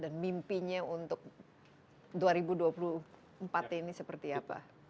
dan mimpinya untuk dua ribu dua puluh empat ini seperti apa